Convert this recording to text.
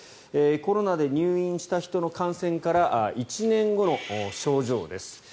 コロナで入院した人の感染から１年後の症状です。